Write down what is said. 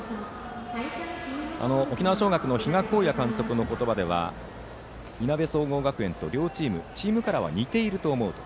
沖縄尚学の比嘉公也監督の言葉ではいなべ総合学園と両チーム、チームカラーは似ていると思うと。